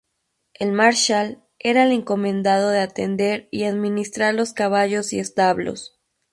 El marschall era el encomendado de atender y administrar los caballos y establos.